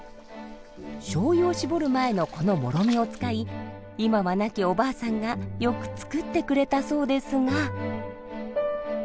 しょうゆを搾る前のこのもろみを使い今は亡きおばあさんがよく作ってくれたそうですが。